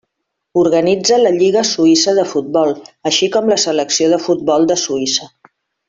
Organitza la lliga suïssa de futbol, així com la selecció de futbol de Suïssa.